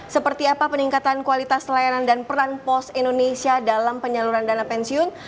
seperti apa peningkatan kualitas layanan dan peran pos indonesia dalam penyaluran dana pensiun